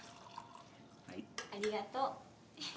ありがとう。